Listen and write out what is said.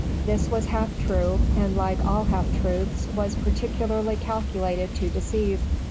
This was half true, and like all half truths, was particularly calculated to deceive.